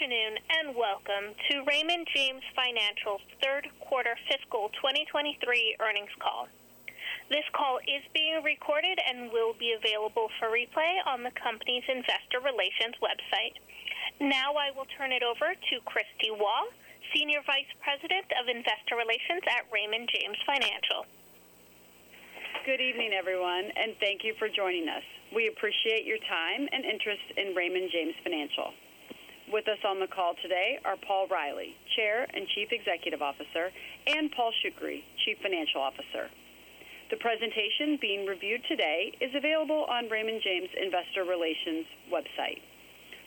Good afternoon, and welcome to Raymond James Financial's third quarter fiscal 2023 earnings call. This call is being recorded and will be available for replay on the company's investor relations website. I will turn it over to Kristie Waugh, Senior Vice President of Investor Relations at Raymond James Financial. Good evening, everyone, and thank you for joining us. We appreciate your time and interest in Raymond James Financial. With us on the call today are Paul Reilly, Chair and Chief Executive Officer, and Paul Shoukry, Chief Financial Officer. The presentation being reviewed today is available on Raymond James Investor Relations website.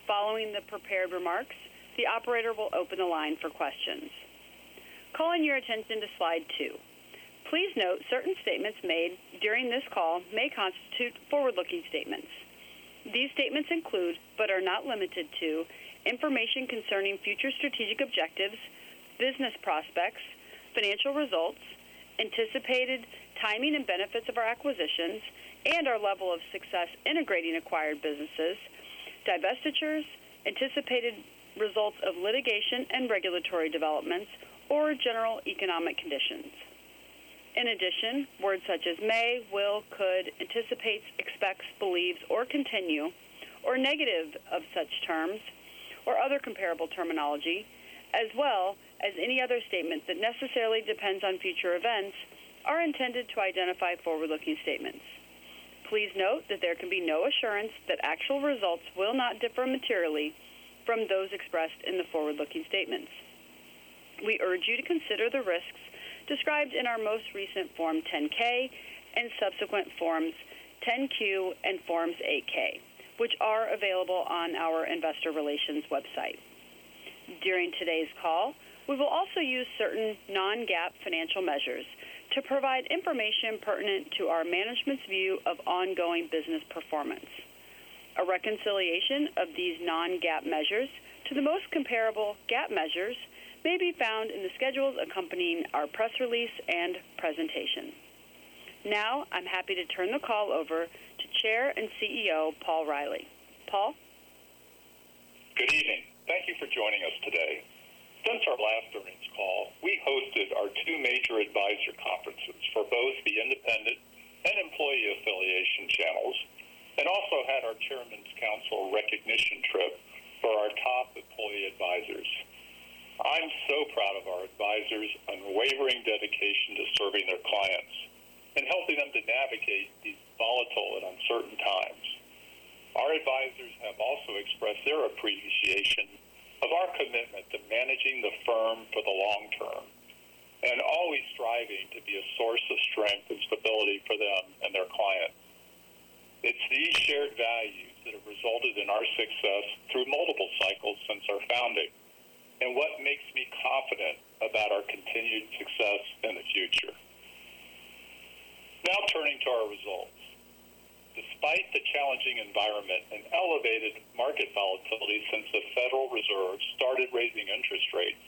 Following the prepared remarks, the operator will open the line for questions. Calling your attention to slide two. Please note certain statements made during this call may constitute forward-looking statements. These statements include, but are not limited to information concerning future strategic objectives, business prospects, financial results, anticipated timing and benefits of our acquisitions, and our level of success integrating acquired businesses, divestitures, anticipated results of litigation and regulatory developments, or general economic conditions. In addition, words such as may, will, could, anticipates, expects, believes, or continue, or negative of such terms, or other comparable terminology, as well as any other statement that necessarily depends on future events, are intended to identify forward-looking statements. Please note that there can be no assurance that actual results will not differ materially from those expressed in the forward-looking statements. We urge you to consider the risks described in our most recent Form 10-K and subsequent Forms 10-Q and Forms 8-K, which are available on our investor relations website. During today's call, we will also use certain non-GAAP financial measures to provide information pertinent to our management's view of ongoing business performance. A reconciliation of these non-GAAP measures to the most comparable GAAP measures may be found in the schedules accompanying our press release and presentation. Now, I'm happy to turn the call over to Chair and CEO, Paul Reilly. Paul? Good evening. Thank you for joining us today. Since our last earnings call, we hosted our two major advisor conferences for both the independent and employee affiliation channels, and also had our Chairman's Council recognition trip for our top employee advisors. I'm so proud of our advisors' unwavering dedication to serving their clients and helping them to navigate these volatile and uncertain times. Our advisors have also expressed their appreciation of our commitment to managing the firm for the long term and always striving to be a source of strength and stability for them and their clients. It's these shared values that have resulted in our success through multiple cycles since our founding, and what makes me confident about our continued success in the future. Now, turning to our results. Despite the challenging environment and elevated market volatility since the Federal Reserve started raising interest rates,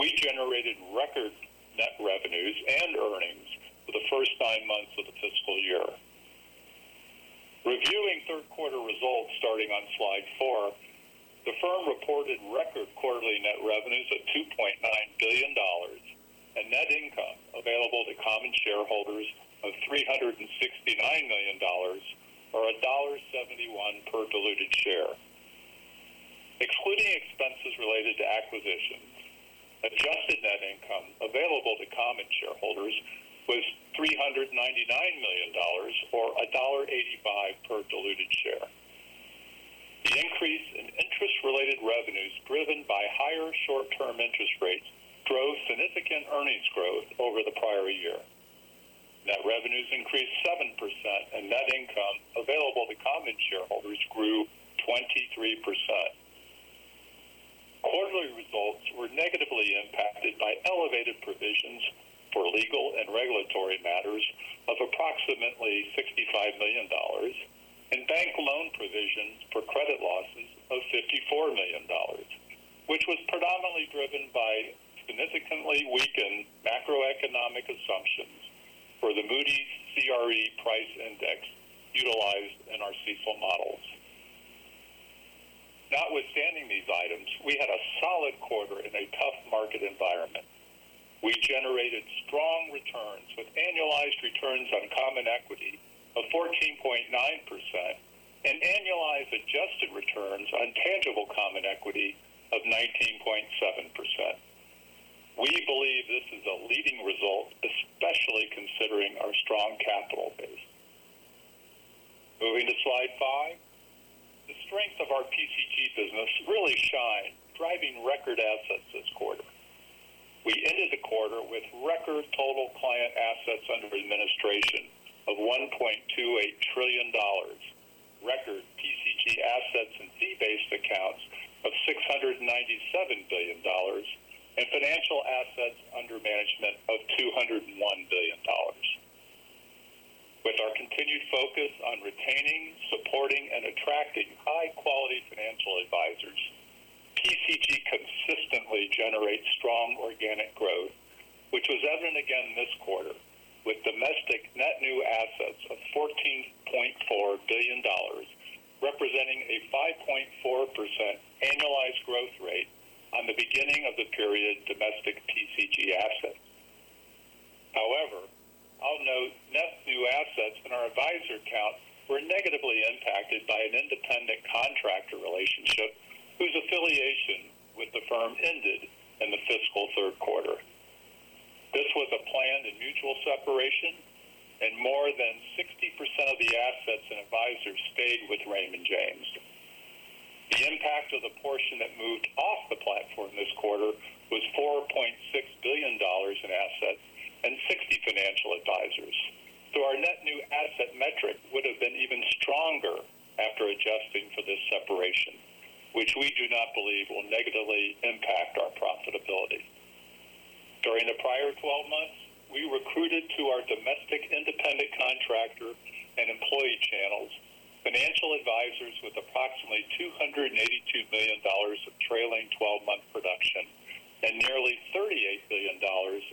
we generated record net revenues and earnings for the first nine months of the fiscal year. Reviewing third quarter results starting on slide four, the firm reported record quarterly net revenues of $2.9 billion, and net income available to common shareholders of $369 million, or $1.71 per diluted share. Excluding expenses related to acquisitions, adjusted net income available to common shareholders was $399 million, or $1.85 per diluted share. The increase in interest-related revenues, driven by higher short-term interest rates, drove significant earnings growth over the prior year. Net revenues increased 7%, and net income available to common shareholders grew 23%. Quarterly results were negatively impacted by elevated provisions for legal and regulatory matters of approximately $65 million, and bank loan provisions for credit losses of $54 million, which was predominantly driven by significantly weakened macroeconomic assumptions for the Moody's CRE Price Index utilized in our CECL models. Notwithstanding these items, we had a solid quarter in a tough market environment. We generated strong returns with annualized returns on common equity of 14.9% and annualized adjusted returns on tangible common equity of 19.7%. We believe this is a leading result, especially considering our strong capital base. Moving to slide 5. The strength of our PCG business really shined, driving record assets this quarter. We ended the quarter with record total client assets under administration of $1.28 trillion, record PCG assets and fee-based accounts of $697 billion, and financial assets under management of $201 billion. With our continued focus on retaining, supporting, and attracting high quality financial advisors, PCG consistently generates strong organic growth, which was evident again this quarter, with domestic net new assets of $14.4 Billion, representing a 5.4% annualized growth rate on the beginning of the period domestic PCG assets. I'll note net new assets in our advisor accounts were negatively impacted by an independent contractor relationship whose affiliation with the firm ended in the fiscal third quarter. This was a planned and mutual separation. More than 60% of the assets and advisors stayed with Raymond James. The impact of the portion that moved off the platform this quarter was $4.6 billion in assets and 60 financial advisors. Our net new asset metric would have been even stronger after adjusting for this separation, which we do not believe will negatively impact our profitability. During the prior 12 months, we recruited to our domestic independent contractor and employee channels, financial advisors with approximately $282 million of trailing 12-month production and nearly $38 billion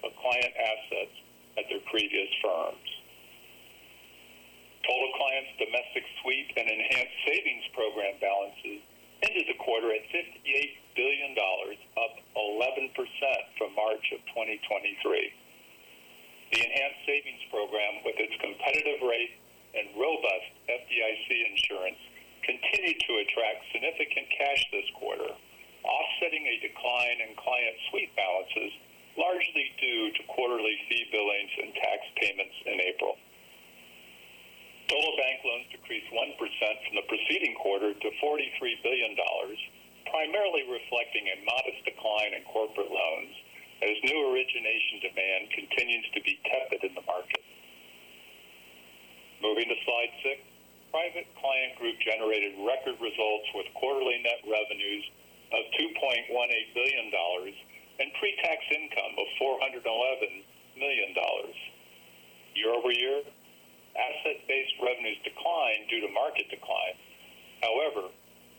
of client assets at their previous firms. Total clients, domestic sweep and Enhanced Savings Program balances ended the quarter at $58 billion, up 11% from March of 2023. The Enhanced Savings Program, with its competitive rate and robust FDIC insurance, continued to attract significant cash this quarter, offsetting a decline in client sweep balances, largely due to quarterly fee billings and tax payments in April. Total bank loans decreased 1% from the preceding quarter to $43 billion, primarily reflecting a modest decline in corporate loans as new origination demand continues to be tepid in the market. Moving to Slide 6. Private Client Group generated record results with quarterly net revenues of $2.18 billion and pretax income of $411 million. Year-over-year, asset-based revenues declined due to market decline. However,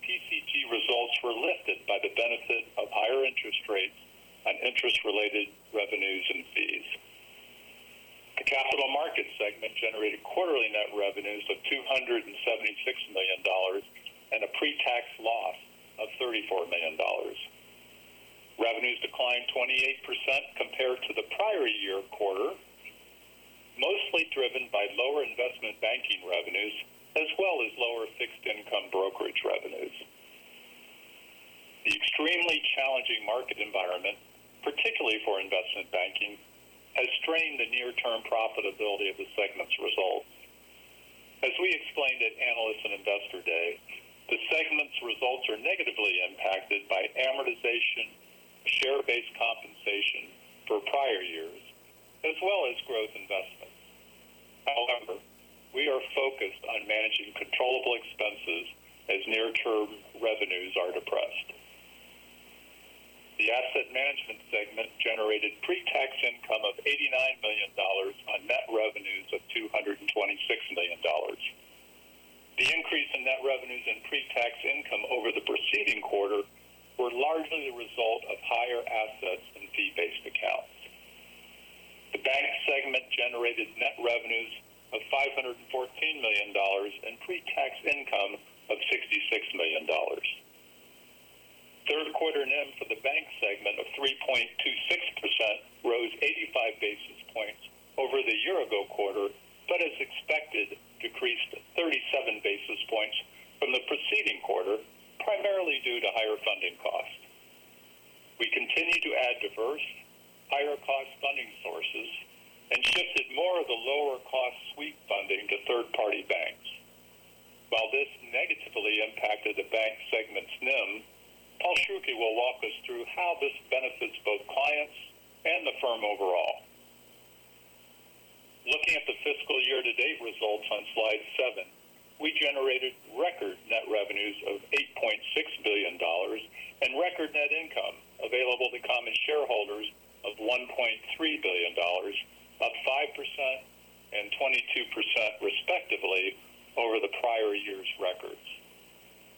PCG results were lifted by the benefit of higher interest rates on interest-related revenues and fees. The capital markets segment generated quarterly net revenues of $276 million and a pretax loss of $34 million. Revenues declined 28% compared to the prior year quarter, mostly driven by lower investment banking revenues as well as lower fixed income brokerage revenues. The extremely challenging market environment, particularly for investment banking, has strained the near-term profitability of the segment's results. As we explained at Analyst and Investor Day, the segment's results are negatively impacted by amortization, share-based compensation for prior years as well as growth investments. We are focused on managing controllable expenses as near term revenues are depressed. The asset management segment generated pretax income of $89 million on net revenues of $226 million. The increase in net revenues and pretax income over the preceding quarter were largely the result of higher assets in fee-based accounts. The bank segment generated net revenues of $514 million and pretax income of $66 million. Third quarter NIM for the bank segment of 3.26% rose 85 basis points over the year ago quarter. As expected, decreased 37 basis points from the preceding quarter, primarily due to higher funding costs. We continue to add diverse, higher cost funding sources and shifted more of the lower-cost sweep funding to third-party banks. While this negatively impacted the bank segment's NIM, Paul Shoukry will walk us through how this benefits both clients and the firm overall. Looking at the fiscal year-to-date results on Slide 7, we generated record net revenues of $8.6 billion and record net income available to common shareholders of $1.3 billion, up 5% and 22% respectively over the prior year's records.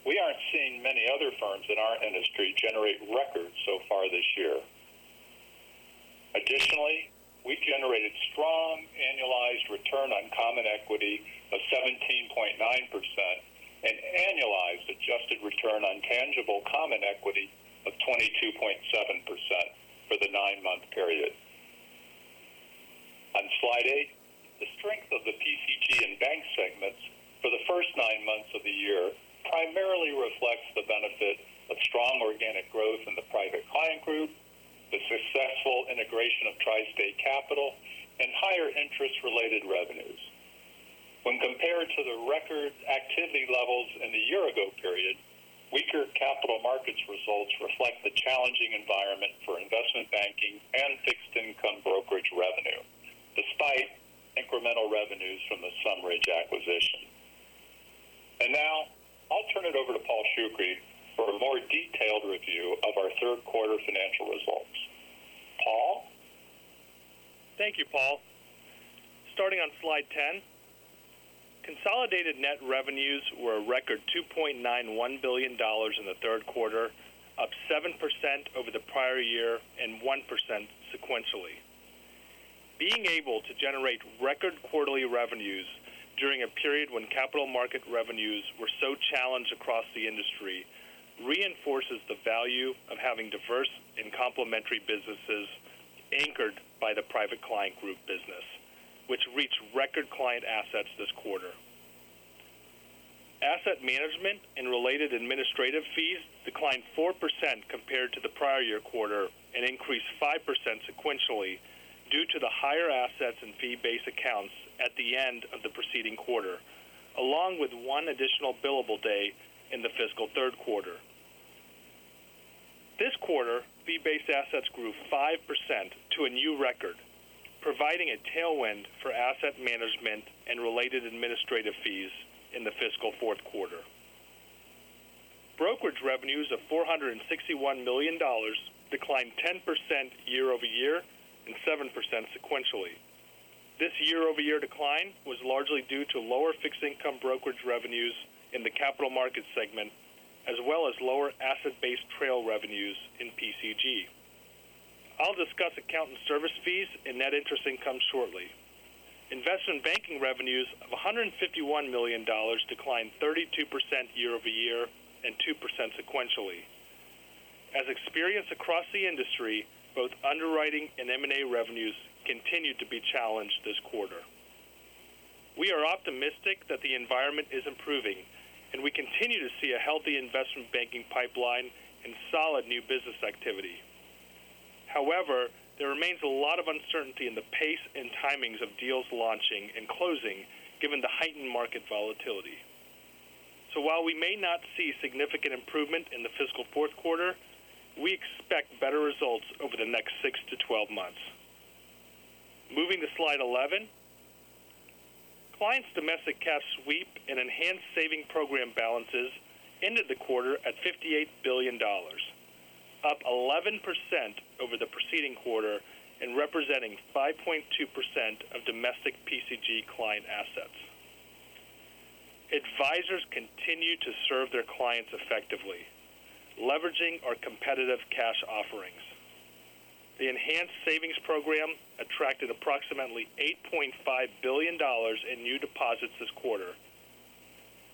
We aren't seeing many other firms in our industry generate records so far this year. Additionally, we generated strong annualized return on common equity of 17.9% and annualized adjusted return on tangible common equity of 22.7% for the nine-month period. On Slide 8, the strength of the PCG and bank segments for the first nine months of the year primarily reflects the benefit of strong organic growth in the Private Client Group, the successful integration of TriState Capital, and higher interest-related revenues. When compared to the record activity levels in the year ago period, weaker capital markets results reflect the challenging environment for investment banking and fixed income brokerage revenue, despite incremental revenues from the SumRidge acquisition. Now I'll turn it over to Paul Shoukry for a more detailed review of our third quarter financial results. Paul? Thank you, Paul. Starting on Slide 10, consolidated net revenues were a record $2.91 billion in the third quarter, up 7% over the prior year and 1% sequentially. Being able to generate record quarterly revenues during a period when capital market revenues were so challenged across the industry, reinforces the value of having diverse and complementary businesses anchored by the Private Client Group business, which reached record client assets this quarter. Asset management and related administrative fees declined 4% compared to the prior year quarter, and increased 5% sequentially due to the higher assets and fee-based accounts at the end of the preceding quarter, along with one additional billable day in the fiscal third quarter. This quarter, fee-based assets grew 5% to a new record, providing a tailwind for asset management and related administrative fees in the fiscal fourth quarter. Brokerage revenues of $461 million declined 10% year-over-year and 7% sequentially. This year-over-year decline was largely due to lower fixed income brokerage revenues in the capital markets segment, as well as lower asset-based trail revenues in PCG. I'll discuss account and service fees and net interest income shortly. Investment banking revenues of $151 million declined 32% year-over-year and 2% sequentially. As experienced across the industry, both underwriting and M&A revenues continued to be challenged this quarter. We are optimistic that the environment is improving, and we continue to see a healthy investment banking pipeline and solid new business activity. However, there remains a lot of uncertainty in the pace and timings of deals launching and closing, given the heightened market volatility. While we may not see significant improvement in the fiscal fourth quarter, we expect better results over the next 6 months-12 months. Moving to slide 11. Clients' domestic cash sweep and Enhanced Savings Program balances ended the quarter at $58 billion, up 11% over the preceding quarter, and representing 5.2% of domestic PCG client assets. Advisors continue to serve their clients effectively, leveraging our competitive cash offerings. The Enhanced Savings Program attracted approximately $8.5 billion in new deposits this quarter.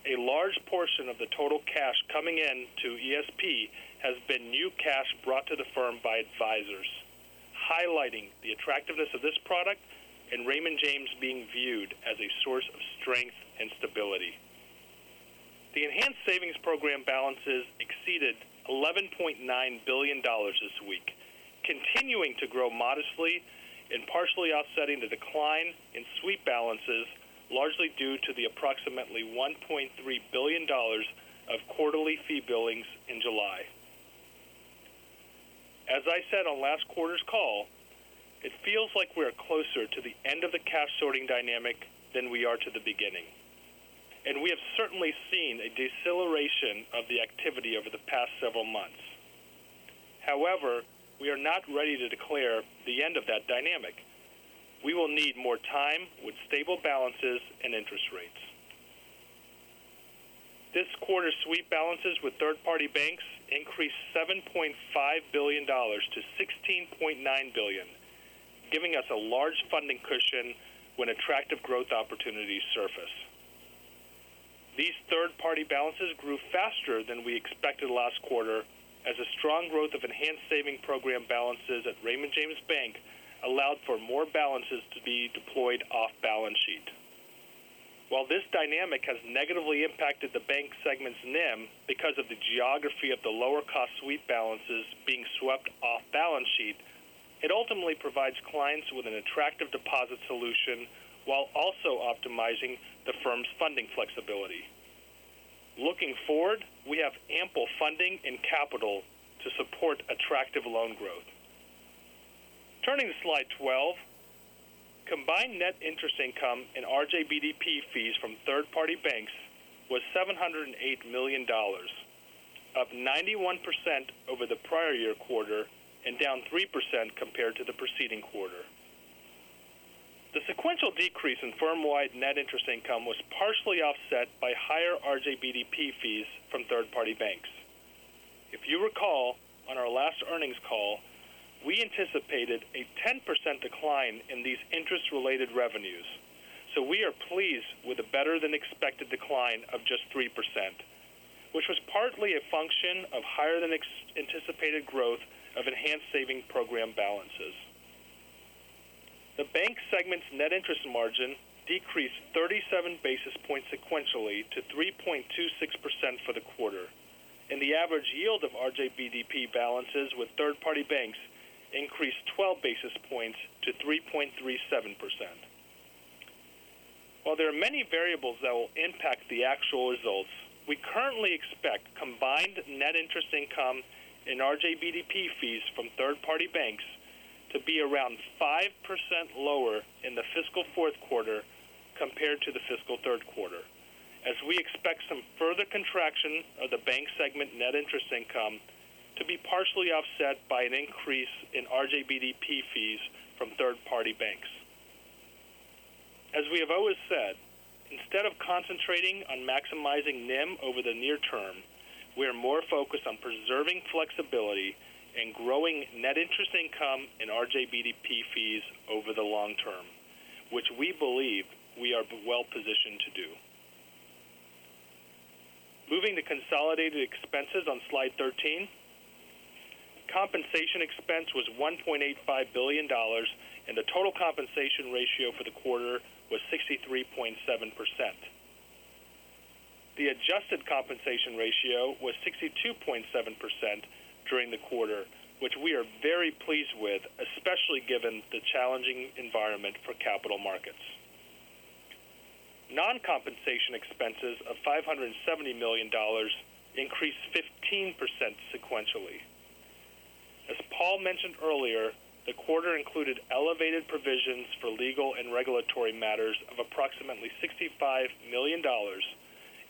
A large portion of the total cash coming in to ESP has been new cash brought to the firm by advisors, highlighting the attractiveness of this product and Raymond James being viewed as a source of strength and stability. The Enhanced Savings Program balances exceeded $11.9 billion this week, continuing to grow modestly and partially offsetting the decline in sweep balances, largely due to the approximately $1.3 billion of quarterly fee billings in July. As I said on last quarter's call, it feels like we are closer to the end of the cash sorting dynamic than we are to the beginning. We have certainly seen a deceleration of the activity over the past several months. We are not ready to declare the end of that dynamic. We will need more time with stable balances and interest rates. This quarter's sweep balances with third-party banks increased $7.5 billion-$16.9 billion, giving us a large funding cushion when attractive growth opportunities surface. These third-party balances grew faster than we expected last quarter, as a strong growth of Enhanced Savings Program balances at Raymond James Bank allowed for more balances to be deployed off balance sheet. While this dynamic has negatively impacted the bank segment's NIM because of the geography of the lower-cost sweep balances being swept off balance sheet, it ultimately provides clients with an attractive deposit solution while also optimizing the firm's funding flexibility. Looking forward, we have ample funding and capital to support attractive loan growth. Turning to slide 12. Combined net interest income and RJBDP fees from third-party banks was $708 million, up 91% over the prior year quarter and down 3% compared to the preceding quarter. The sequential decrease in firm wide net interest income was partially offset by higher RJBDP fees from third-party banks. If you recall, on our last earnings call, we anticipated a 10% decline in these interest-related revenues, we are pleased with a better than expected decline of just 3%, which was partly a function of higher-than-anticipated growth of Enhanced Savings Program balances. The bank segment's net interest margin decreased 37 basis points sequentially to 3.26% for the quarter, the average yield of RJBDP balances with third-party banks increased 12 basis points to 3.37%. While there are many variables that will impact the actual results, we currently expect combined net interest income in RJBDP fees from third-party banks to be around 5% lower in the fiscal fourth quarter compared to the fiscal third quarter, as we expect some further contraction of the bank segment net interest income to be partially offset by an increase in RJBDP fees from third-party banks. As we have always said, instead of concentrating on maximizing NIM over the near term, we are more focused on preserving flexibility and growing net interest income in RJBDP fees over the long term, which we believe we are well positioned to do. Moving to consolidated expenses on slide 13. Compensation expense was $1.85 billion, and the total compensation ratio for the quarter was 63.7%. The adjusted compensation ratio was 62.7% during the quarter, which we are very pleased with, especially given the challenging environment for capital markets. Non-compensation expenses of $570 million increased 15% sequentially. As Paul mentioned earlier, the quarter included elevated provisions for legal and regulatory matters of approximately $65 million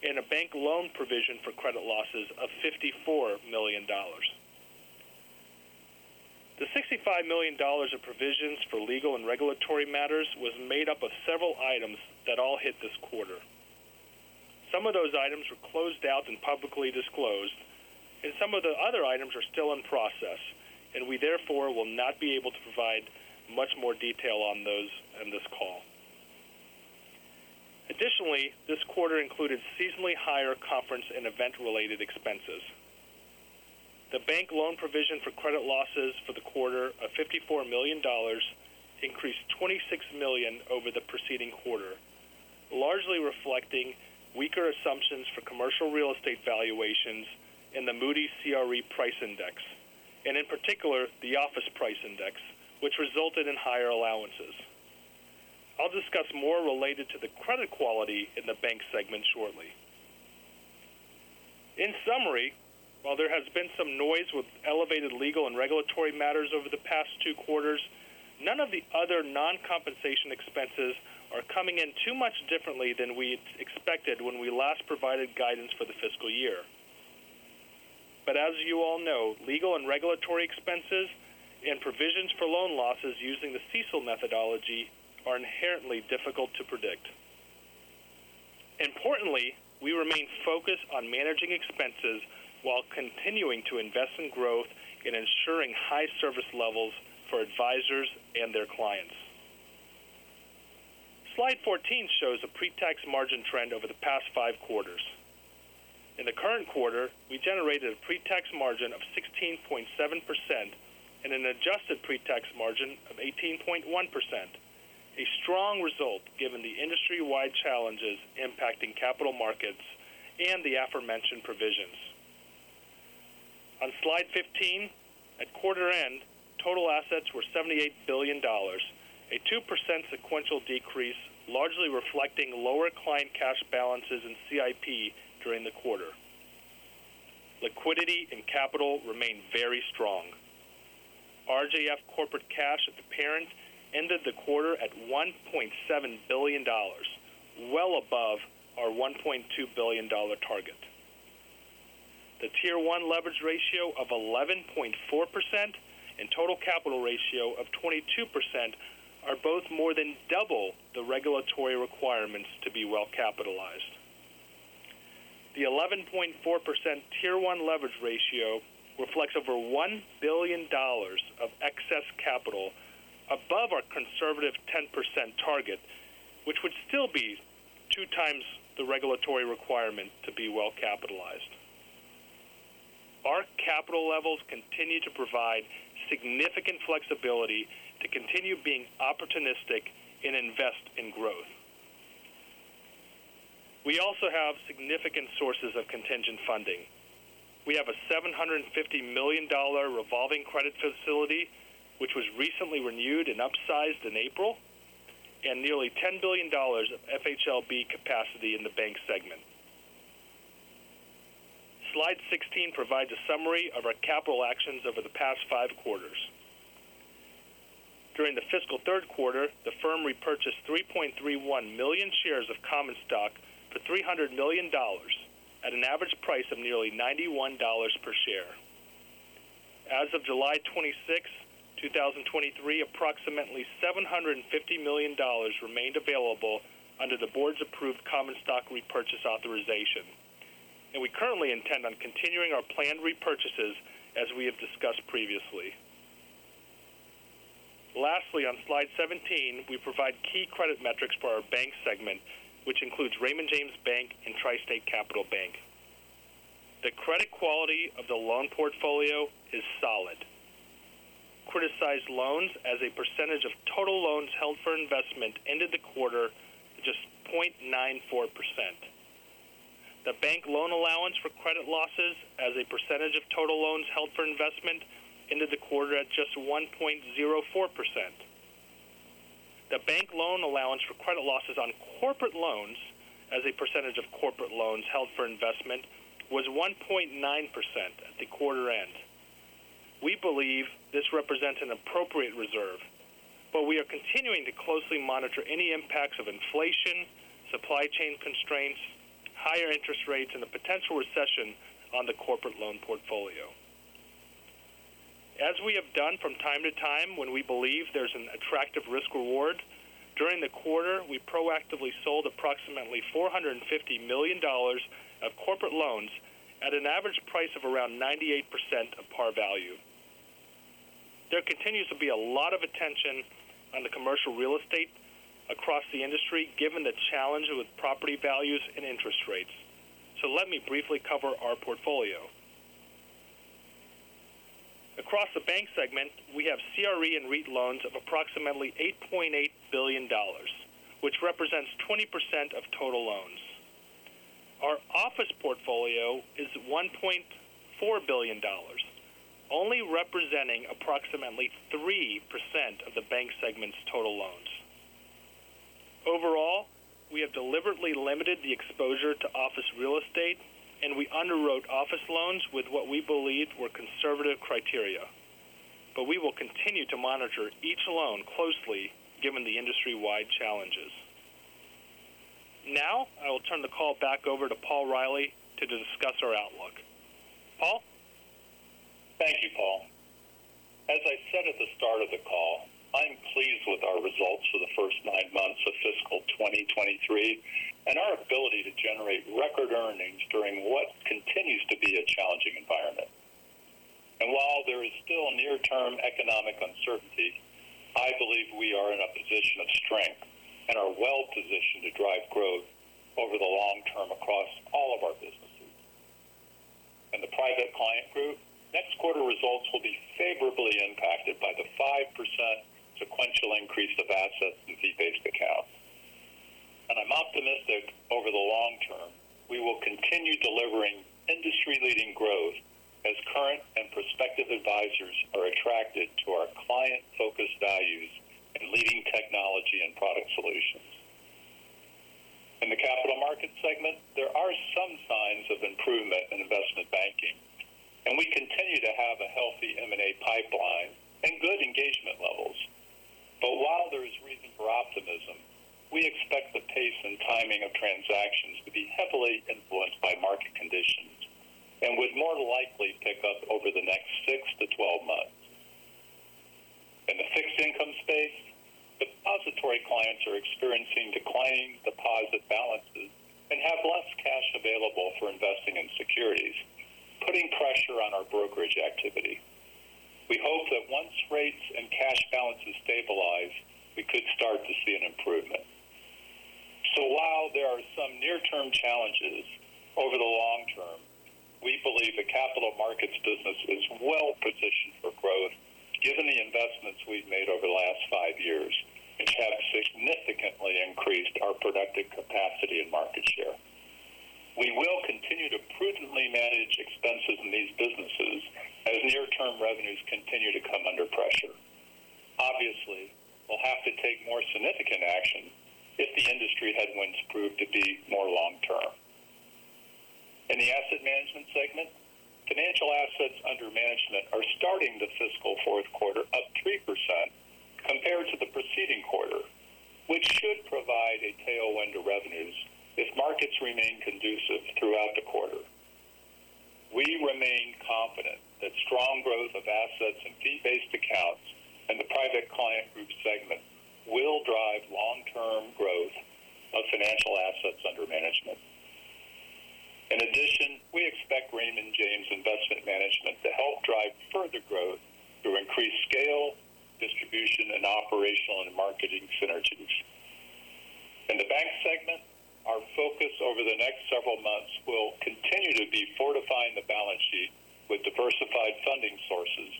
and a bank loan provision for credit losses of $54 million. The $65 million of provisions for legal and regulatory matters was made up of several items that all hit this quarter. Some of those items were closed out and publicly disclosed, and some of the other items are still in process, and we therefore will not be able to provide much more detail on those in this call. Additionally, this quarter included seasonally higher conference and event-related expenses. The bank loan provision for credit losses for the quarter of $54 million increased $26 million over the preceding quarter, largely reflecting weaker assumptions for commercial real estate valuations in the Moody's CRE Price Index, and in particular, the Office Price Index, which resulted in higher allowances. I'll discuss more related to the credit quality in the bank segment shortly. In summary, while there has been some noise with elevated legal and regulatory matters over the past two quarters, none of the other non-compensation expenses are coming in too much differently than we expected when we last provided guidance for the fiscal year. As you all know, legal and regulatory expenses and provisions for loan losses using the CECL methodology are inherently difficult to predict. Importantly, we remain focused on managing expenses while continuing to invest in growth and ensuring high service levels for advisors and their clients. Slide 14 shows a pre-tax margin trend over the past five quarters. In the current quarter, we generated a pre-tax margin of 16.7% and an adjusted pre-tax margin of 18.1%. A strong result given the industry-wide challenges impacting capital markets and the aforementioned provisions. On slide 15, at quarter end, total assets were $78 billion, a 2% sequential decrease, largely reflecting lower client cash balances in CIP during the quarter. Liquidity and capital remained very strong. RJF corporate cash at the parent ended the quarter at $1.7 billion, well above our $1.2 billion target. The Tier 1 leverage ratio of 11.4% and total capital ratio of 22% are both more than double the regulatory requirements to be well capitalized. The 11.4% Tier 1 leverage ratio reflects over $1 billion of excess capital above our conservative 10% target, which would still be two times the regulatory requirement to be well capitalized. Our capital levels continue to provide significant flexibility to continue being opportunistic and invest in growth. We also have significant sources of contingent funding. We have a $750 million revolving credit facility, which was recently renewed and upsized in April, and nearly $10 billion of FHLB capacity in the bank segment. Slide 16 provides a summary of our capital actions over the past five quarters. During the fiscal third quarter, the firm repurchased 3.31 million shares of common stock for $300 million at an average price of nearly $91 per share. As of July 26, 2023, approximately $750 million remained available under the board's approved common stock repurchase authorization. We currently intend on continuing our planned repurchases, as we have discussed previously. Lastly, on slide 17, we provide key credit metrics for our bank segment, which includes Raymond James Bank and TriState Capital Bank. The credit quality of the loan portfolio is solid. Criticized loans as a percentage of total loans held for investment ended the quarter at just 0.94%. The bank loan allowance for credit losses as a percentage of total loans held for investment ended the quarter at just 1.04%. The bank loan allowance for credit losses on corporate loans as a percentage of corporate loans held for investment was 1.9% at the quarter end. We believe this represents an appropriate reserve. We are continuing to closely monitor any impacts of inflation, supply chain constraints, higher interest rates, and a potential recession on the corporate loan portfolio. As we have done from time to time when we believe there's an attractive risk reward, during the quarter, we proactively sold approximately $450 million of corporate loans at an average price of around 98% of par value. There continues to be a lot of attention on the commercial real estate across the industry, given the challenge with property values and interest rates. Let me briefly cover our portfolio. Across the bank segment, we have CRE and REIT loans of approximately $8.8 billion, which represents 20% of total loans. Our office portfolio is $1.4 billion, only representing approximately 3% of the bank segment's total loans. Overall, we have deliberately limited the exposure to office real estate, and we underwrote office loans with what we believed were conservative criteria. We will continue to monitor each loan closely given the industry-wide challenges. Now, I will turn the call back over to Paul Reilly to discuss our outlook. Paul? Thank you, Paul. As I said at the start of the call, I'm pleased with our results for the first nine months of fiscal 2023, our ability to generate record earnings during what continues to be a challenging environment. While there is still a near-term economic uncertainty, I believe we are in a position of strength and are well-positioned to drive growth over the long term across all of our businesses. In the Private Client Group, next quarter results will be favorably impacted by the 5% sequential increase of assets in fee-based accounts. I'm optimistic over the long term, we will continue delivering industry-leading growth as current and prospective advisors are attracted to our client-focused values and leading technology and product solutions. In the Capital Markets segment, there are some signs of improvement in investment banking, and we continue to have a healthy M&A pipeline and good engagement levels. While there is reason for optimism, we expect the pace and timing of transactions to be heavily influenced by market conditions and would more likely pick up over the next six to twelve months. In the fixed income space, depository clients are experiencing declining deposit balances and have less cash available for investing in securities, putting pressure on our brokerage activity. We hope that once rates and cash balances stabilize, we could start to see an improvement. While there are some near-term challenges over the long term, we believe the capital markets business is well positioned for growth given the investments we've made over the last five years, which have significantly increased our productive capacity and market share. We will continue to prudently manage expenses in these businesses as near-term revenues continue to come under pressure. Obviously, we'll have to take more significant action if the industry headwinds prove to be more long term. In the Asset Management segment, financial assets under management are starting the fiscal fourth quarter up 3% compared to the preceding quarter, which should provide a tailwind to revenues if markets remain conducive throughout the quarter. We remain confident that strong growth of assets in fee-based accounts and the Private Client Group segment will drive long-term growth of financial assets under management. In addition, we expect Raymond James Investment Management to help drive further growth through increased scale, distribution, and operational and marketing synergies. In the bank segment, our focus over the next several months will continue to be fortifying the balance sheet with diversified funding sources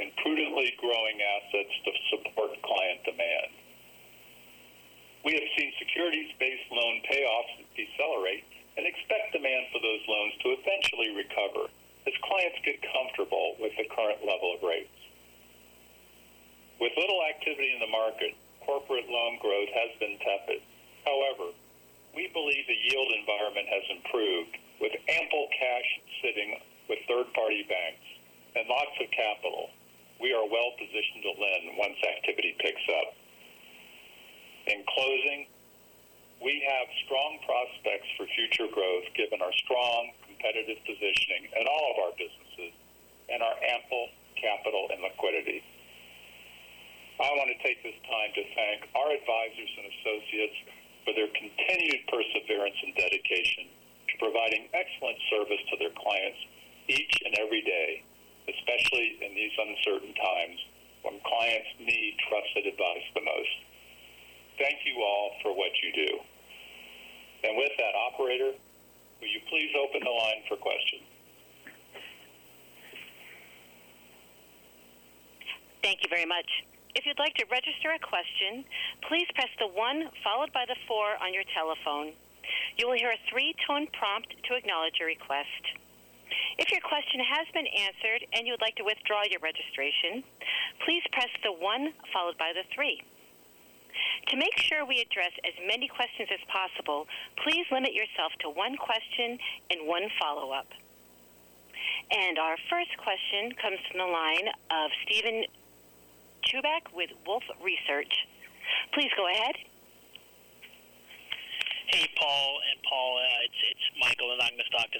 and prudently growing assets to support client demand. We have seen securities-based loan payoffs decelerate and expect demand for those loans to eventually recover as clients get comfortable with the current level of rates. With little activity in the market, corporate loan growth has been tepid. We believe the yield environment has improved. With ample cash sitting with third-party banks and lots of capital, we are well positioned to lend once activity picks up. In closing, we have strong prospects for future growth given our strong competitive positioning in all of our businesses and our ample capital and liquidity. I want to take this time to thank our advisors and associates for their continued perseverance and dedication to providing excellent service to their clients each and every day, especially in these uncertain times when clients need trusted advice the most. Thank you all for what you do. With that, operator, will you please open the line for questions. Thank you very much. If you'd like to register a question, please press the one followed by the four on your telephone. You will hear a three-tone prompt to acknowledge your request. If your question has been answered and you would like to withdraw your registration, please press the one followed by the three. To make sure we address as many questions as possible, please limit yourself to one question and one follow-up. Our first question comes from the line of Steven Chubak with Wolfe Research. Please go ahead.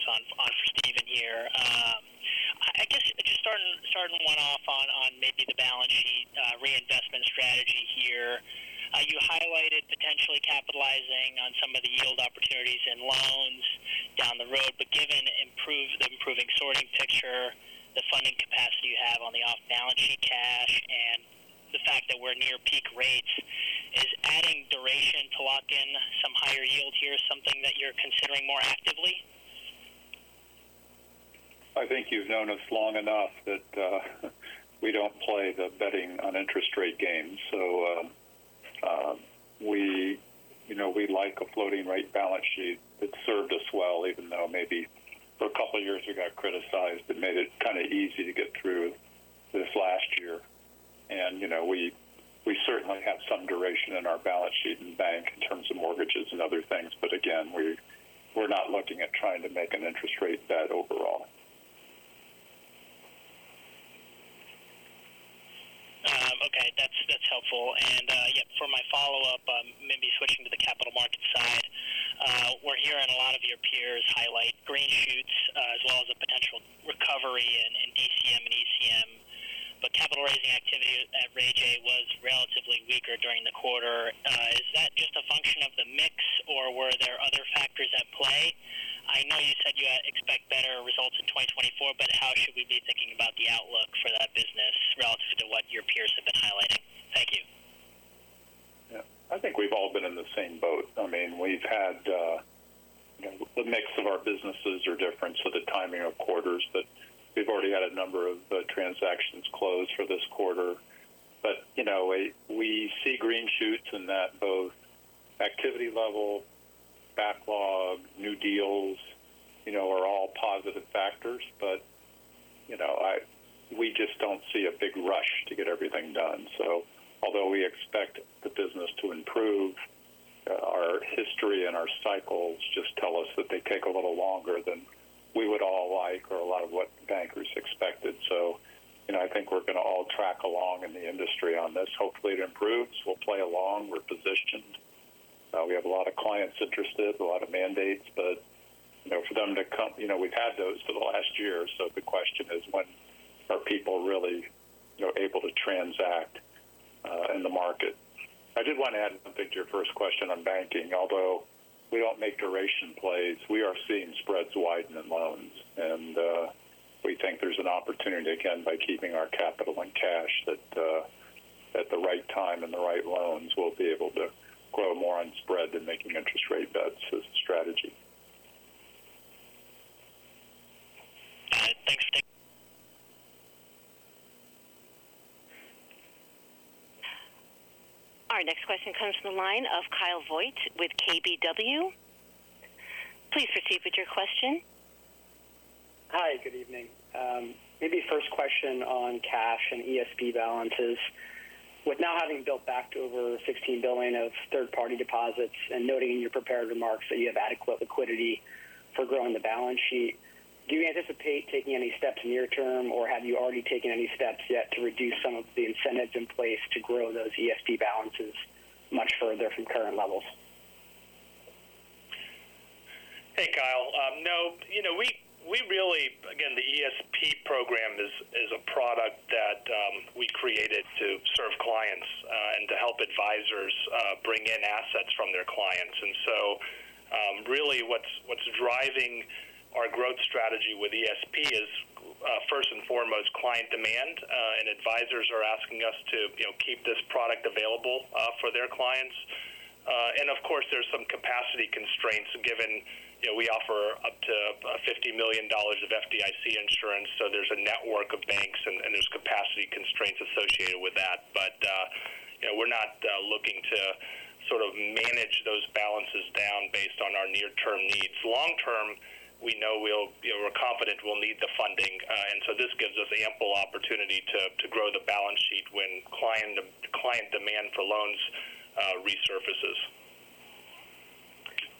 on for Steven here. I guess just starting one off on maybe the balance sheet reinvestment strategy here. You highlighted potentially capitalizing on some of the yield opportunities in loans down the road, but given the improving sorting picture, the funding capacity you have on the off-balance sheet cash, and the fact that we're near peak rates, is adding duration to lock in some higher yield here, something that you're considering more actively? I think you've known us long enough that we don't play the betting on interest rate game. We, you know, we like a floating rate balance sheet. It's served us well, even though maybe for a couple of years we got criticized. It made it kind of easy to get through this last year. You know, we certainly have some duration in our balance sheet and bank in terms of mortgages and other things. Again, we're not looking at trying to make an interest rate bet overall. Okay, that's helpful. Yeah, for my follow-up, maybe switching to the capital market side. We're hearing a lot of your peers highlight green shoots, as well as a potential recovery in DCM and ECM. Capital raising activity at RayJay was relatively weaker during the quarter. Is that just a function of the mix, or were there other factors at play? I know you said you expect better results in 2024, but how should we be thinking about the outlook for that business relative to what your peers have been highlighting? Thank you. Yeah. I think we've all been in the same boat. I mean, we've had, you know, the mix of our businesses are different, so the timing of quarters. We've already had a number of transactions closed for this quarter. You know, we see green shoots in that both activity level, backlog, new deals, you know, are all positive factors. You know, we just don't see a big rush to get everything done. Although we expect the business to improve, our history and our cycles just tell us that they take a little longer than we would all like or a lot of what bankers expected. You know, I think we're going to all track along in the industry on this. Hopefully, it improves. We'll play along. We're positioned. We have a lot of clients interested, a lot of mandates. You know, we've had those for the last year. The question is: When are people really, you know, able to transact in the market? I did want to add something to your first question on banking. Although we don't make duration plays, we are seeing spreads widen in loans. We think there's an opportunity, again, by keeping our capital and cash, that at the right time and the right loans, we'll be able to grow more on spread than making interest rate bets as a strategy. All right. Thanks, Steve. Our next question comes from the line of Kyle Voigt with KBW. Please proceed with your question. Hi, good evening. maybe first question on cash and ESP balances. With now having built back to over $16 billion of third-party deposits and noting in your prepared remarks that you have adequate liquidity for growing the balance sheet, do you anticipate taking any steps near term, or have you already taken any steps yet to reduce some of the incentives in place to grow those ESP balances much further from current levels? Hey, Kyle. No. You know, we really, again, the ESP program is a product that we created to serve clients and to help advisors bring in assets from their clients. Really, what's driving our growth strategy with ESP is first and foremost, client demand. Advisors are asking us to, you know, keep this product available for their clients. Of course, there's some capacity constraints, given, you know, we offer up to $50 million of FDIC insurance, so there's a network of banks and there's capacity constraints associated with that. You know, we're not looking to sort of manage those balances down based on our near-term needs. Long term, we know you know, we're confident we'll need the funding, this gives us ample opportunity to grow the balance sheet when client demand for loans, resurfaces.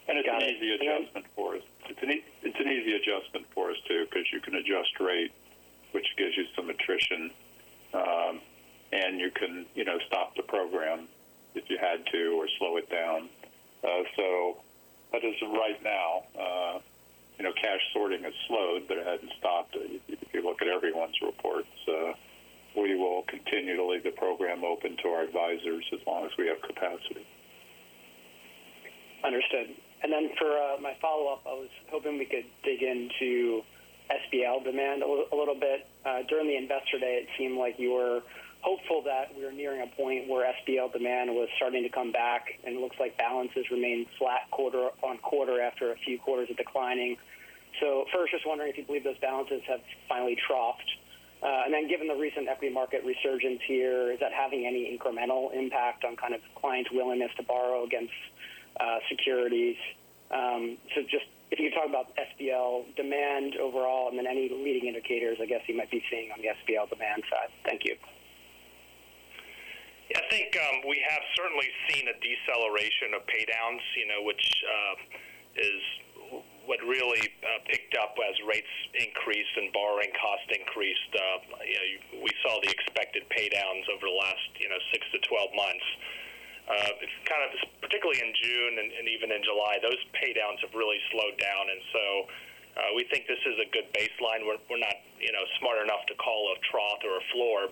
It's an easy adjustment for us. It's an easy adjustment for us, too, because you can adjust rate, which gives you some attrition. You can, you know, stop the program if you had to or slow it down. As is of right now, you know, cash sorting has slowed, but it hasn't stopped. If you look at everyone's reports, we will continue to leave the program open to our advisors as long as we have capacity. Understood. Then for my follow-up, I was hoping we could dig into SBL demand a little bit. During the Investor Day, it seemed like you were hopeful that we were nearing a point where SBL demand was starting to come back, and it looks like balances remained flat quarter-on-quarter after a few quarters of declining. First, just wondering if you believe those balances have finally troughed. Then, given the recent equity market resurgence here, is that having any incremental impact on kind of client willingness to borrow against securities? Just if you could talk about SBL demand overall, and then any leading indicators I guess you might be seeing on the SBL demand side. Thank you. I think we have certainly seen a deceleration of pay downs, you know, which is what really picked up as rates increased and borrowing costs increased. You know, we saw the expected pay downs over the last, you know, 6-12 months. Kind of particularly in June and even in July, those pay downs have really slowed down. We think this is a good baseline. We're not, you know, smart enough to call a trough or a floor,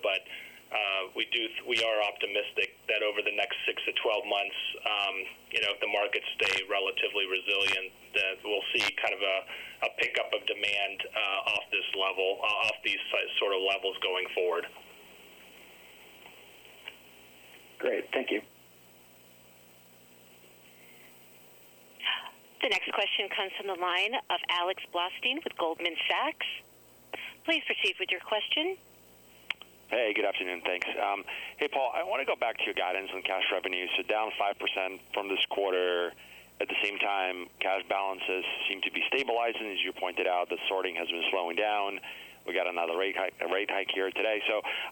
but we are optimistic that over the next 6 months-12 months, you know, if the markets stay relatively resilient, that we'll see kind of a pickup of demand off this level, off these sort of levels going forward. Great, thank you. The next question comes from the line of Alex Blostein with Goldman Sachs. Please proceed with your question. Hey, good afternoon. Thanks. Hey, Paul, I want to go back to your guidance on cash revenues. Down 5% from this quarter. At the same time, cash balances seem to be stabilizing. As you pointed out, the sorting has been slowing down. We got another rate hike here today.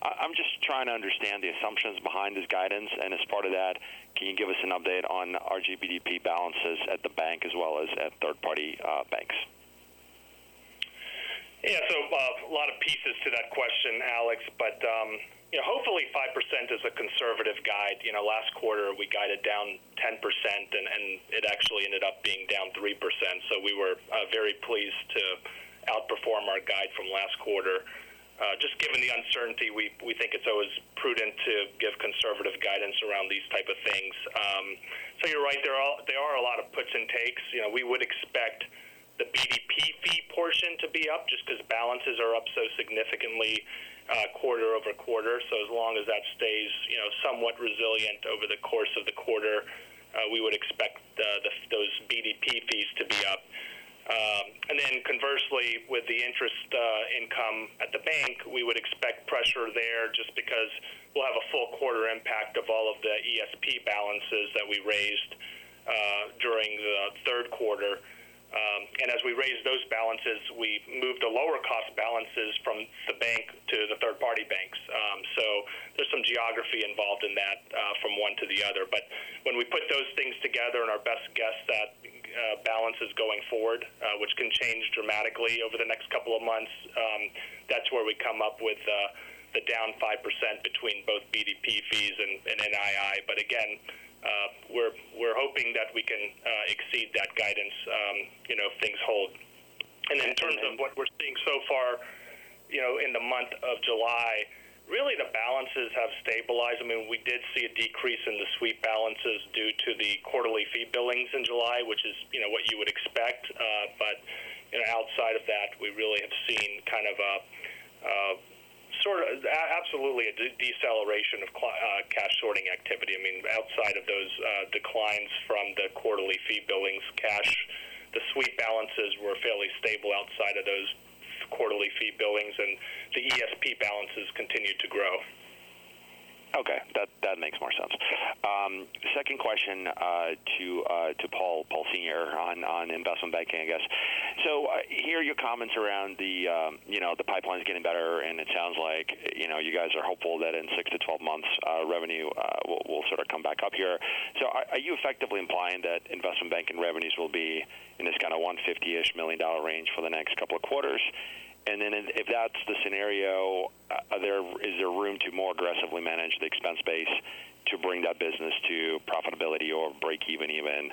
I'm just trying to understand the assumptions behind this guidance. As part of that, can you give us an update on RJBDP balances at the bank as well as at third-party banks? Yeah, a lot of pieces to that question, Alex. You know, hopefully, 5% is a conservative guide. You know, last quarter, we guided down 10%, and it actually ended up being down 3%. We were very pleased to outperform our guide from last quarter. Just given the uncertainty, we think it's always prudent to give conservative guidance around these type of things. You're right, there are a lot of puts and takes. You know, we would expect the BDP fee portion to be up just because balances are up so significantly, quarter-over-quarter. As long as that stays, you know, somewhat resilient over the course of the quarter, we would expect those BDP fees to be up. Conversely, with the interest income at the bank, we would expect pressure there just because we'll have a full quarter impact of all of the ESP balances that we raised during the third quarter. As we raised those balances, we moved to lower cost balances from the bank to the third-party banks. There's some geography involved in that from one to the other. When we put those things together and our best guess that balance is going forward, which can change dramatically over the next couple of months, that's where we come up with the down 5% between both BDP fees and NII. Again, we're hoping that we can exceed that guidance, you know, if things hold. In terms of what we're seeing so far, you know, in the month of July, really, the balances have stabilized. I mean, we did see a decrease in the sweep balances due to the quarterly fee billings in July, which is, you know, what you would expect. You know, outside of that, we really have seen absolutely a deceleration of cash sorting activity. I mean, outside of those declines from the quarterly fee billings, cash, the sweep balances were fairly stable outside of those quarterly fee billings, and the ESP balances continued to grow. Okay, that makes more sense. Second question to Paul Senior on investment banking, I guess. I hear your comments around the, you know, the pipeline is getting better, and it sounds like, you know, you guys are hopeful that in six to twelve months revenue will sort of come back up here. Are you effectively implying that investment banking revenues will be in this kind of $150-ish million range for the next couple of quarters? If that's the scenario, is there room to more aggressively manage the expense base to bring that business to profitability or breakeven even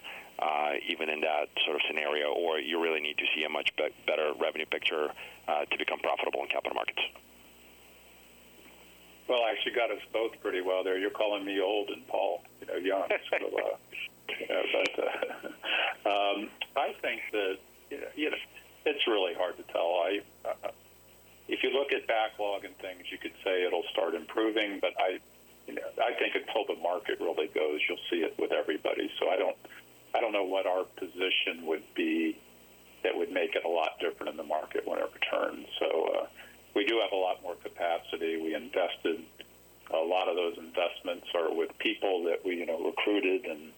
in that sort of scenario? Or you really need to see a much better revenue picture to become profitable in capital markets? Well, actually, you got us both pretty well there. You're calling me old and Paul, you know, young. Sort of, I think that, you know, it's really hard to tell. I, if you look at backlog and things, you could say it'll start improving, I, you know, I think until the market really goes, you'll see it with everybody. I don't, I don't know what our position would be that would make it a lot different in the market when it returns. We do have a lot more capacity. We invested. A lot of those investments are with people that we, you know, recruited and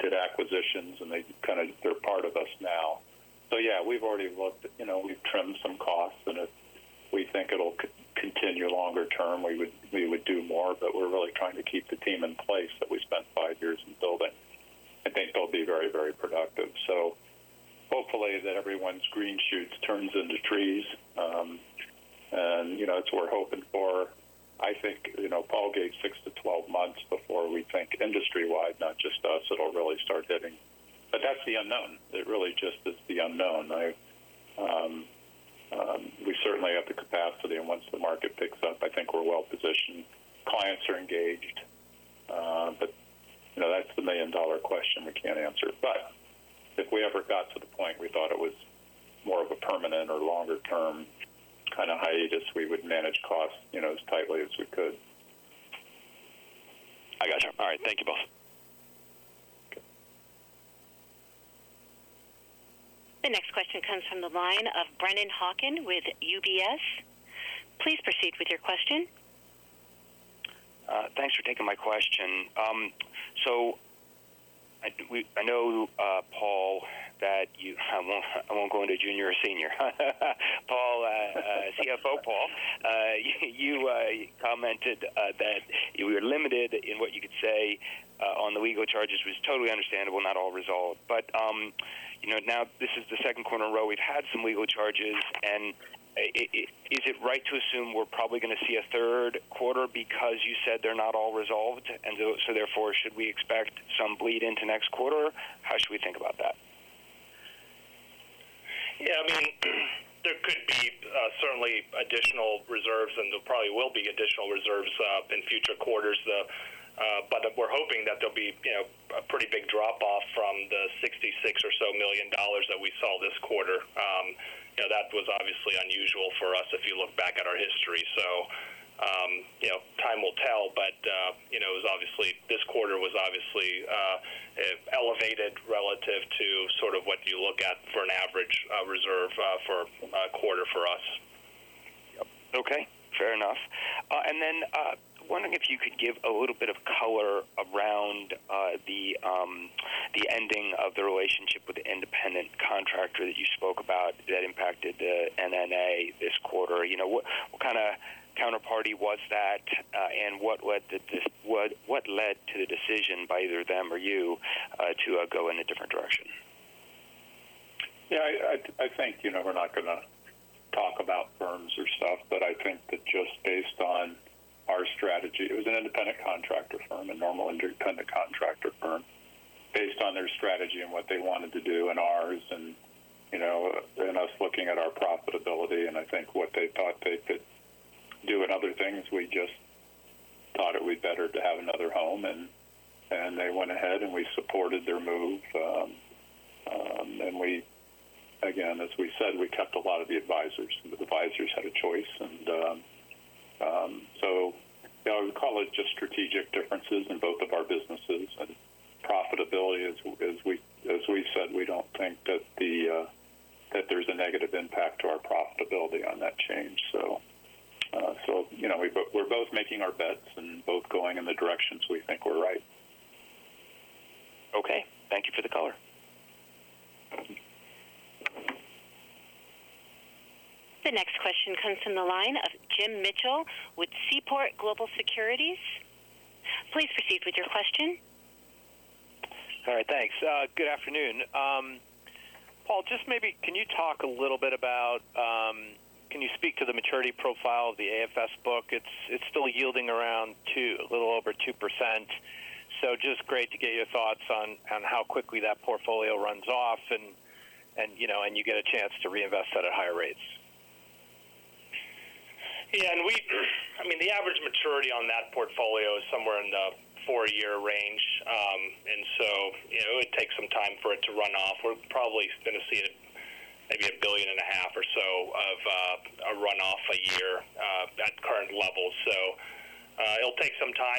did acquisitions, and they kind of, they're part of us now. yeah, we've already looked, you know, we've trimmed some costs, and if we think it'll continue longer term, we would do more, but we're really trying to keep the team in place that we spent five years in building. I think they'll be very productive. Hopefully that everyone's green shoots turns into trees. you know, it's what we're hoping for. I think, you know, Paul gave 6 months-12 months before we think industry-wide, not just us, it'll really start hitting. That's the unknown. It really just is the unknown. I, we certainly have the capacity, Once the market picks up, I think we're well positioned. Clients are engaged, you know, that's the million dollar question we can't answer. If we ever got to the point we thought it was more of a permanent or longer-term kind of hiatus, we would manage costs, you know, as tightly as we could. I got you. All right. Thank you both. The next question comes from the line of Brennan Hawken with UBS. Please proceed with your question. Thanks for taking my question. I know, Paul, that I won't go into junior or senior. Paul, CFO Paul, you commented that you were limited in what you could say on the legal charges, was totally understandable, not all resolved. You know, now this is the second quarter in a row we've had some legal charges, and is it right to assume we're probably going to see a third quarter because you said they're not all resolved? Therefore, should we expect some bleed into next quarter? How should we think about that? I mean, there could be certainly additional reserves, and there probably will be additional reserves in future quarters. We're hoping that there'll be, you know, a pretty big drop off from the $66 million or so that we saw this quarter. You know, that was obviously unusual for us, if you look back at our history. You know, time will tell, but you know, this quarter was obviously elevated relative to sort of what you look at for an average reserve for a quarter for us. Okay, fair enough. Then, wondering if you could give a little bit of color around the ending of the relationship with the independent contractor that you spoke about that impacted the NNA this quarter. You know, what kind of counterparty was that and what led to the decision by either them or you, to go in a different direction? Yeah, I think, you know, we're not going to talk about firms or stuff, but I think that just based on our strategy, it was an independent contractor firm, a normal independent contractor firm. Based on their strategy and what they wanted to do and ours and, you know, and us looking at our profitability and I think what they thought they could do in other things, we just thought it'd be better to have another home. They went ahead, and we supported their move. We again, as we said, we kept a lot of the advisors, and the advisors had a choice, so, you know, we call it just strategic differences in both of our businesses and profitability. As we've said, we don't think that the that there's a negative impact to our profitability on that change. You know, we're both making our bets and both going in the directions we think we're right. Okay, thank you for the color. The next question comes from the line of Jim Mitchell with Seaport Global Securities. Please proceed with your question. All right, thanks. Good afternoon. Paul, just maybe can you talk a little bit about, can you speak to the maturity profile of the AFS book? It's still yielding around two, a little over 2%. Just great to get your thoughts on how quickly that portfolio runs off and, you know, and you get a chance to reinvest that at higher rates. Yeah, I mean, the average maturity on that portfolio is somewhere in the four year range. You know, it takes some time for it to run off. We're probably going to see it maybe $1.5 billion or so of a run off a year at current levels. It'll take some time.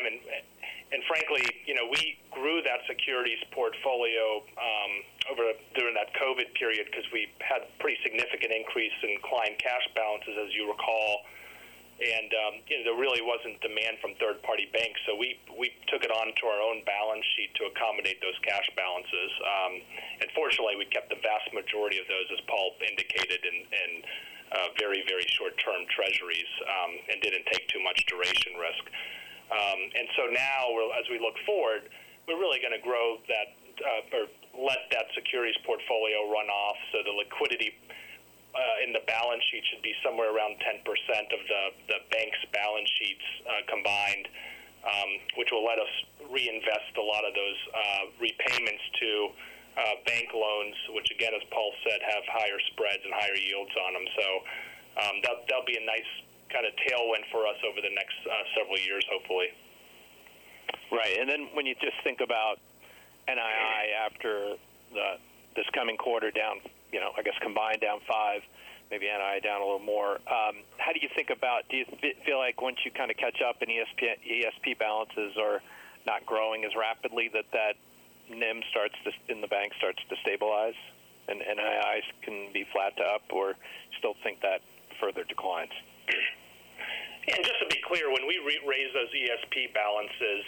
Frankly, you know, we grew that securities portfolio over during that COVID period because we had a pretty significant increase in client cash balances, as you recall. You know, there really wasn't demand from third-party banks, we took it onto our own balance sheet to accommodate those cash balances. Fortunately, we kept the vast majority of those, as Paul indicated, in very, very short-term treasuries, didn't take too much duration risk. Now as we look forward, we're really going to grow that, or let that securities portfolio run off. The liquidity, in the balance sheet should be somewhere around 10% of the bank's balance sheets, combined, which will let us reinvest a lot of those, repayments to, bank loans, which again, as Paul said, have higher spreads and higher yields on them. That'll be a nice kind of tailwind for us over the next, several years, hopefully. Right. When you just think about NII after this coming quarter down, you know, I guess combined down five, maybe NII down a little more. How do you feel like once you kind of catch up in ESP balances are not growing as rapidly that that NIM in the bank starts to stabilize, and NII can be flat to up or still think that further declines? Yeah, just to be clear, when we raise those ESP balances,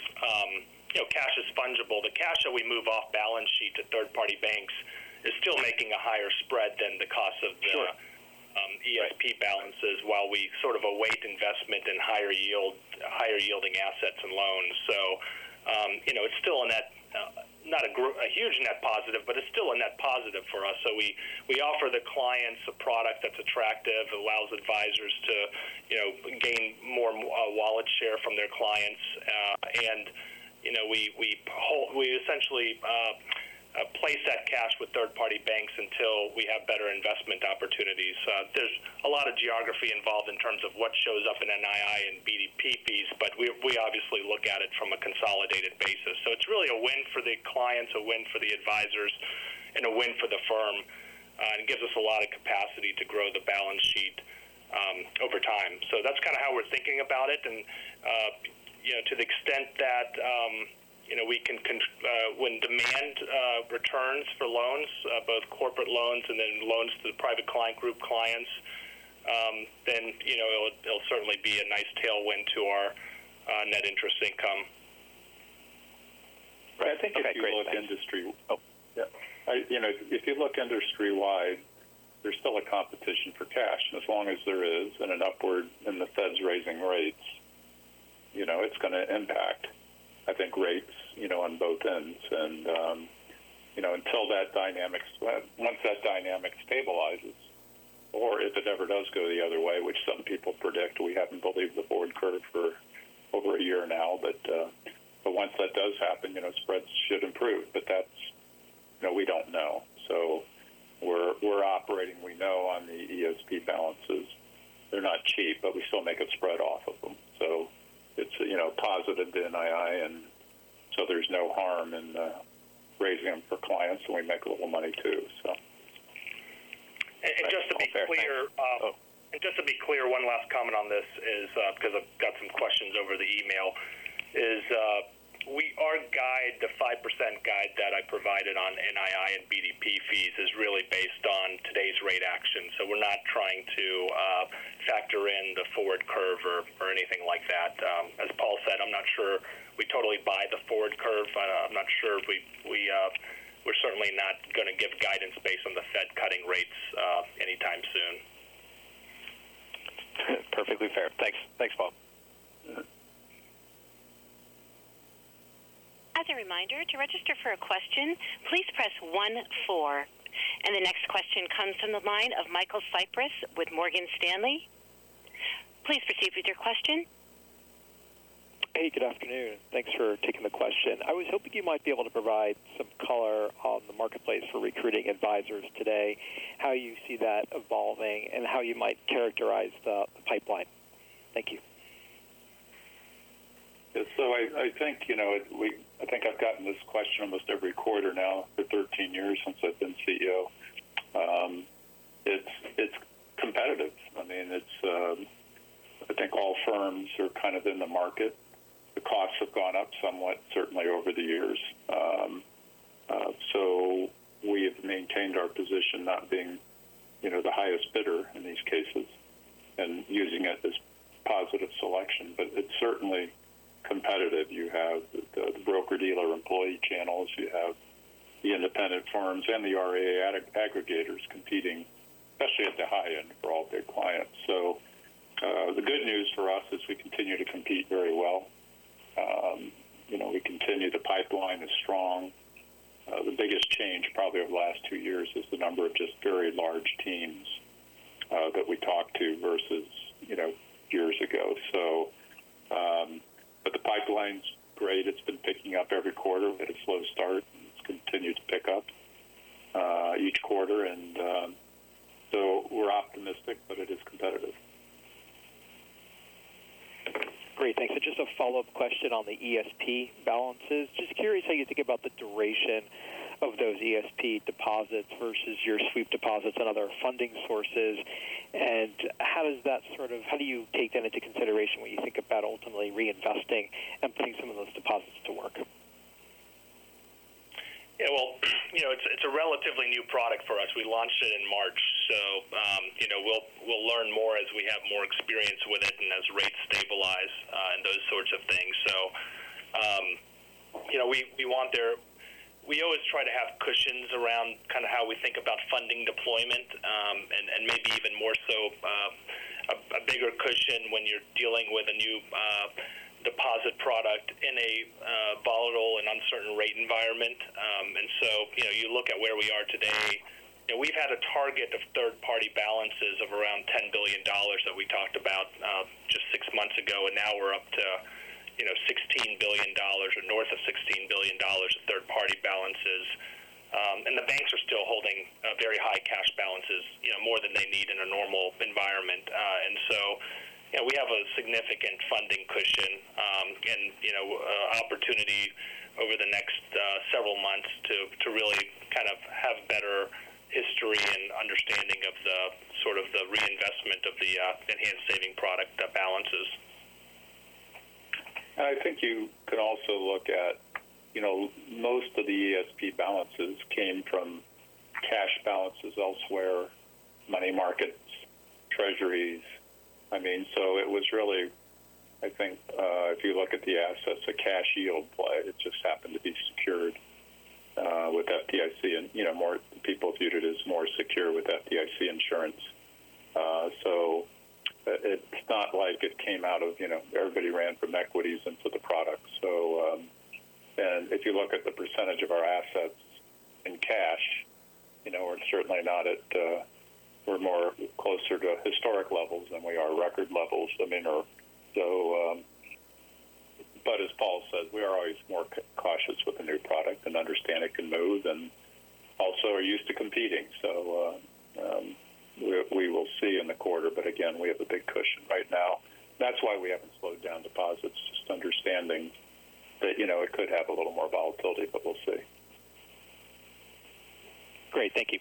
you know, cash is fungible. The cash that we move off balance sheet to third-party banks is still making a higher spread than the cost of. Sure. ESP balances while we sort of await investment in higher yield, higher yielding assets and loans. you know, it's still a net, not a huge net positive, but it's still a net positive for us. We offer the clients a product that's attractive, allows advisors to, you know, gain more wallet share from their clients. and, you know, we essentially place that cash with third-party banks until we have better investment opportunities. There's a lot of geography involved in terms of what shows up in NII and BDPs, but we obviously look at it from a consolidated basis. It's really a win for the clients, a win for the advisors, and a win for the firm. It gives us a lot of capacity to grow the balance sheet over time. That's kind of how we're thinking about it. You know, to the extent that, you know, we can when demand returns for loans, both corporate loans and then loans to the Private Client Group clients, then, you know, it'll certainly be a nice tailwind to our net interest income. Right. I think you got great- If you look industry-wide, there's still a competition for cash. As long as there is and an upward in the Feds raising rates, you know, it's going to impact, I think, rates, you know, on both ends. You know, until that dynamic stabilizes, if it ever does go the other way, which some people predict, we haven't believed the forward curve for over a year now. Once that does happen, you know, spreads should improve. That's, you know, we don't know. We're operating, we know on the ESP balances. They're not cheap, but we still make a spread off of them. It's, you know, positive to NII, and so there's no harm in raising them for clients, and we make a little money, too, so. just to be clear. Oh. Just to be clear, one last comment on this is, because I've got some questions over the email, is, we, our guide, the 5% guide that I provided on NII and BDP fees is really based on today's rate action. We're not trying to factor in the forward curve or anything like that. As Paul said, I'm not sure we totally buy the forward curve. I'm not sure if we're certainly not going to give guidance based on the Fed cutting rates anytime soon. Perfectly fair. Thanks. Thanks, Paul. Mm-hmm. As a reminder, to register for a question, please press one, four. The next question comes from the line of Michael Cyprys with Morgan Stanley. Please proceed with your question. Hey, good afternoon. Thanks for taking the question. I was hoping you might be able to provide some color on the marketplace for recruiting advisors today, how you see that evolving and how you might characterize the pipeline. Thank you. I think, you know, I've gotten this question almost every quarter now for 13 years since I've been CEO. It's, it's competitive. I mean, it's, I think all firms are kind of in the market. The costs have gone up somewhat, certainly over the years. We have maintained our position, not being, you know, the highest bidder in these cases and using it as positive selection, but it's certainly competitive. You have the broker-dealer employee channels, you have the independent firms and the RIA aggregators competing, especially at the high end for all big clients. The good news for us is we continue to compete very well. You know, we continue, the pipeline is strong. The biggest change probably over the last two years is the number of just very large teams, that we talk to versus, you know, years ago. The pipeline's great. It's been picking up every quarter. We had a slow start, and it's continued to pick up each quarter, and so we're optimistic, but it is competitive. Great, thanks. Just a follow-up question on the ESP balances. Just curious how you think about the duration of those ESP deposits versus your sweep deposits and other funding sources, and how do you take that into consideration when you think about ultimately reinvesting and putting some of those deposits to work? Well, you know, it's a relatively new product for us. We launched it in March. You know, we'll learn more as we have more experience with it and as rates stabilize and those sorts of things. You know, we always try to have cushions around kind of how we think about funding deployment, and maybe even more so, a bigger cushion when you're dealing with a new deposit product in a volatile and uncertain rate environment. You know, you look at where we are today, and we've had a target of third-party balances of around $10 billion that we talked about, just six months ago, and now we're up to, you know, $16 billion or north of $16 billion of third-party balances. The banks are still holding very high cash balances, you know, more than they need in a normal environment. We have a significant funding cushion, and, you know, opportunity over the next several months to really kind of have better history and understanding of the sort of the reinvestment of the Enhanced Saving product balances. I think you can also look at, you know, most of the ESP balances came from cash balances elsewhere, money markets, treasuries. I mean, it was really, I think, if you look at the assets, a cash yield play, it just happened to be secured with FDIC and, you know, more people viewed it as more secure with FDIC insurance. It's not like it came out of, you know, everybody ran from equities into the product. As Paul says, we are always more cautious with a new product and understand it can move and also are used to competing. We will see in the quarter, but again, we have a big cushion right now. That's why we haven't slowed down deposits, just understanding that, you know, it could have a little more volatility, but we'll see. Great. Thank you.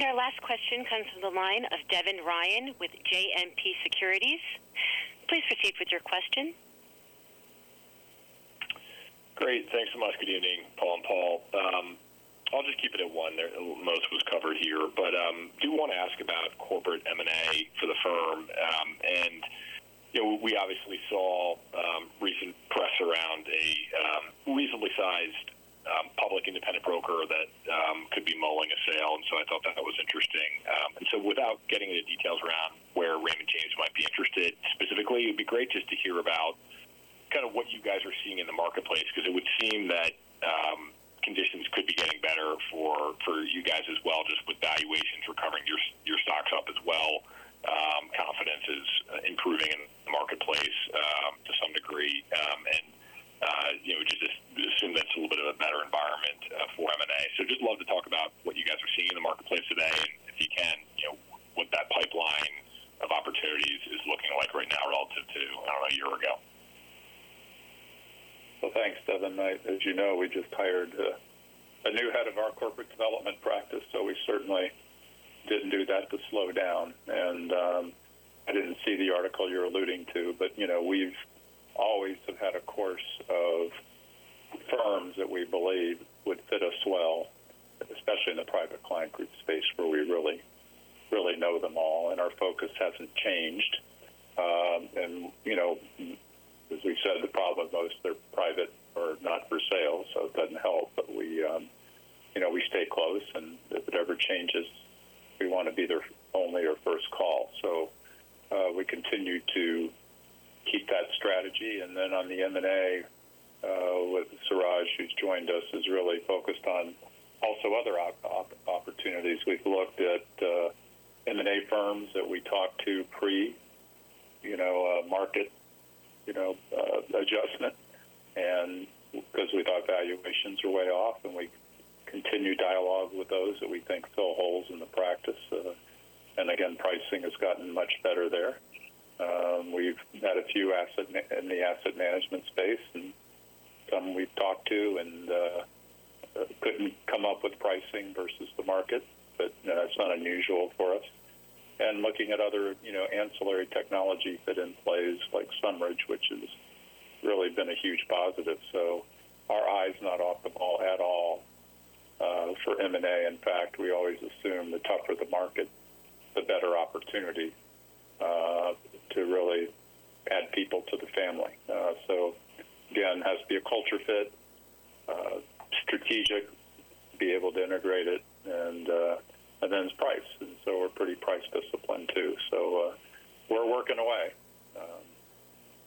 Our last question comes from the line of Devin Ryan with JMP Securities. Please proceed with your question. Great. Thanks so much. Good evening, Paul and Paul. I'll just keep it at one there. Most was covered here, but I do want to ask about corporate M&A for the firm. You know, we obviously saw recent press around a reasonably sized public independent broker that could be mulling a sale, and so I thought that that was interesting. Without getting into details around where it specifically, it'd be great just to hear about kind of what you guys are seeing in the marketplace, because it would seem that conditions could be getting better for you guys as well, just with valuations recovering, your stocks up as well. Confidence is improving in the marketplace to some degree. You know, just assume that's a little bit of a better environment for M&A. Just love to talk about what you guys are seeing in the marketplace today, and if you can, you know, what that pipeline of opportunities is looking like right now relative to, I don't know, a year ago. Well, thanks, Devin. As you know, we just hired a new head of our corporate development practice, so we certainly didn't do that to slow down. I didn't see the article you're alluding to, but, you know, we've always have had a course of firms that we believe would fit us well, especially in the Private Client Group space, where we really know them all, and our focus hasn't changed. you know, as we said, the problem, most of they're private or not for sale, so it doesn't help. we, you know, we stay close, and if whatever changes, we want to be their only or first call. we continue to keep that strategy. on the M&A, with Suraj, who's joined us, is really focused on also other opportunities. We've looked at M&A firms that we talked to pre market adjustment. Because we thought valuations are way off, and we continue dialogue with those that we think fill holes in the practice. Again, pricing has gotten much better there. We've had a few asset in the asset management space, and some we've talked to and couldn't come up with pricing versus the market, but it's not unusual for us. Looking at other ancillary technology fit in plays like SumRidge, which has really been a huge positive. Our eye is not off the ball at all for M&A. In fact, we always assume the tougher the market, the better opportunity to really add people to the family. Again, it has to be a culture fit, strategic, be able to integrate it, and then it's price. We're pretty price disciplined, too. We're working away,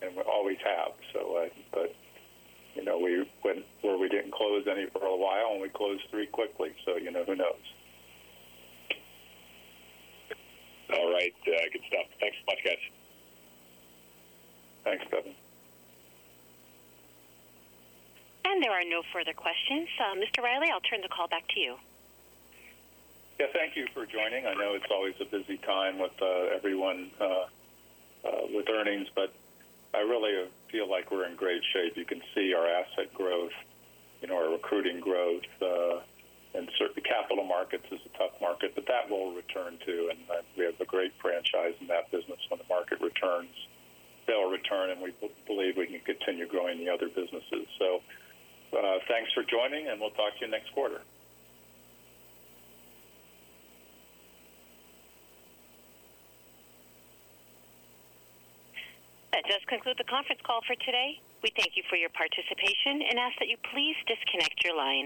and we always have. But, you know, we went where we didn't close any for a while, and we closed three quickly, so you know, who knows. All right. good stuff. Thanks so much, guys. Thanks, Devin. There are no further questions. Mr. Reilly, I'll turn the call back to you. Yeah, thank you for joining. I know it's always a busy time with everyone with earnings, but I really feel like we're in great shape. You can see our asset growth, you know, our recruiting growth, and the capital markets is a tough market, but that will return too. We have a great franchise in that business. When the market returns, they'll return, and we believe we can continue growing the other businesses. Thanks for joining, and we'll talk to you next quarter. That does conclude the conference call for today. We thank you for your participation and ask that you please disconnect your lines.